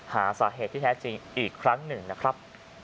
หาสาเหตุที่แท้จริงอีกครั้งหนึ่งนะครับ